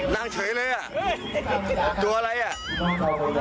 นั่งเฉยเลยอ่ะตัวอะไรอ่ะ